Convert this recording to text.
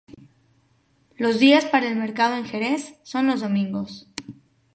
Los días para el mercado en Jerez, son los domingos.